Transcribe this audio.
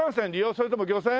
それとも漁船？